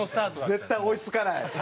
絶対追い付かない。